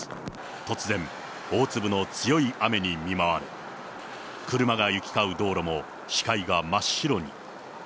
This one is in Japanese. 突然、大粒の強い雨に見舞われ、車が行き交う道路も視界が真っ白に。